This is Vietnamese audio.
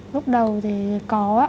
lúc đầu thì có á